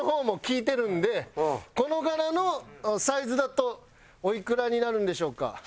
この柄のサイズだとおいくらになるんでしょうか？